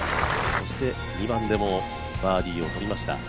そして２番でもバーディーをとりました。